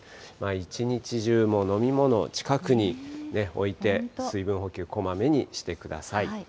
一日中、飲み物を近くに置いて、水分補給、こまめにしてください。